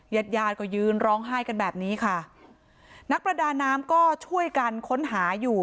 ญาติญาติก็ยืนร้องไห้กันแบบนี้ค่ะนักประดาน้ำก็ช่วยกันค้นหาอยู่